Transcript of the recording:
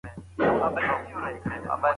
سپی په انګړ کې ناست دی